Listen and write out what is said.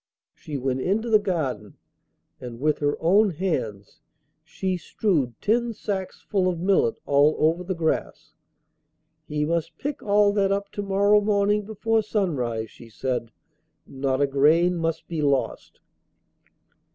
She went into the garden, and with her own hands she strewed ten sacks full of millet all over the grass. 'He must pick all that up to morrow morning before sunrise,' she said; 'not a grain must be lost.